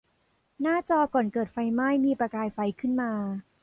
หน้าจอก่อนเกิดไฟไหม้มีประกายไฟขึ้นมา